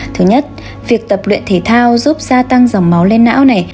thứ nhất việc tập luyện thể thao giúp gia tăng dòng máu lên não này